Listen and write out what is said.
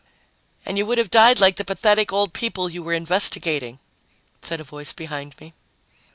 "And you would have died like the pathetic old people you were investigating," said a voice behind me.